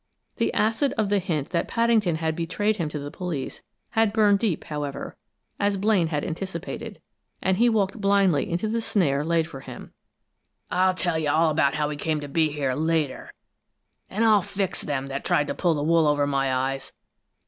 The acid of the hint that Paddington had betrayed him to the police had burned deep, however, as Blaine had anticipated, and he walked blindly into the snare laid for him. "I'll tell you all about how he come to be here, later, and I'll fix them that tried to pull the wool over my eyes!